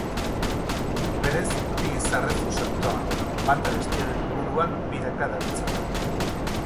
Berez bi izarrez osatuta dago, bata bestearen inguruan biraka dabiltzala.